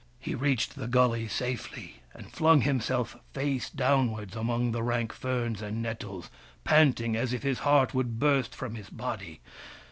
He reached the gully safely, and flung himself face downwards among the rank ferns and nettles, pant ing as if his heart would burst from his body.